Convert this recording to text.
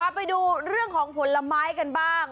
ไปดูเรื่องของผลไม้กันบ้าง